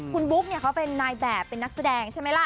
คุณบุ๊กเนี่ยเขาเป็นนายแบบเป็นนักแสดงใช่ไหมล่ะ